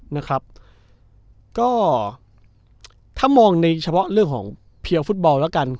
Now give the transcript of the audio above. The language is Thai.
นะครับก็ถ้ามองในเฉพาะเรื่องของเพียวฟุตบอลแล้วกัน